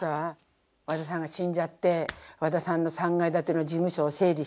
和田さんが死んじゃって和田さんの３階建ての事務所を整理してたんですって。